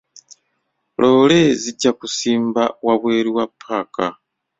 Loole zijja kusimba wabweru wa ppaaka.